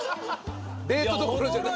デートどころじゃない。